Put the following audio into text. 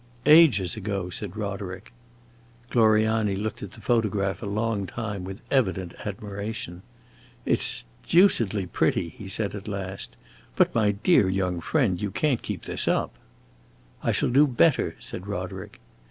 "Ages ago," said Roderick. Gloriani looked at the photograph a long time, with evident admiration. "It 's deucedly pretty," he said at last. "But, my dear young friend, you can't keep this up." "I shall do better," said Roderick.